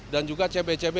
dan juga cb cb